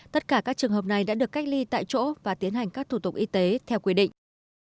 tất cả các trường hợp này đã được cách ly tại chỗ và tiến hành các thủ tục y tế theo quy định